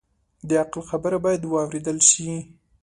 د عقل خبرې باید واورېدل شي